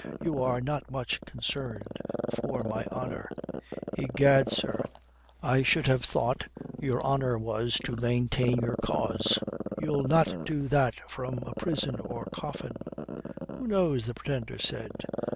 You are not much concerned for my honour." "Egad, sir, I should have thought your honour was to maintain your cause. You'll not do that from a prison or coffin." "Who knows?" the Pretender said.